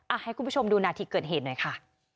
ให้คุณผู้ชมดูนาทีเกิดเหตุหน่อยค่ะ